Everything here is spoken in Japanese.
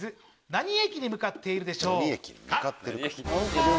何駅に向かっているでしょうか？